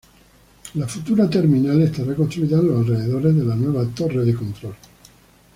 La futura terminal estará construida en los alrededores de la nueva torre de control.